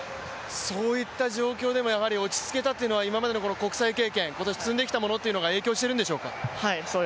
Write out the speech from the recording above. そういった状況でもやはり落ち着けたというのは今までの国際経験、積んできたものが影響してるんでしょうか？